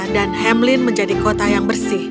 dan hamlin menjadi kota yang bersih